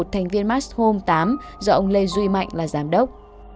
thành viên max home tám do ông lê duy mạnh là giám đốc